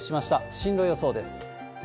進路予想です。